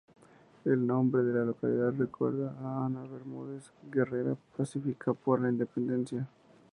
El nombre de la localidad recuerda a Ana Bermúdez, guerrera pacífica por la Independencia.